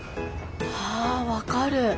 ああ分かる。